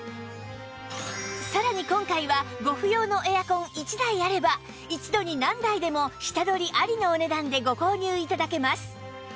さらに今回はご不要のエアコン１台あれば一度に何台でも下取りありのお値段でご購入頂けます